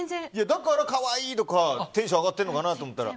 だから可愛いとかテンションが上がっているのかなと思ったら。